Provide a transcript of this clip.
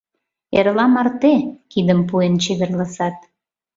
— Эрла марте! — кидым пуэн чеверласат.